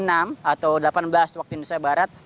atau delapan belas waktu indonesia barat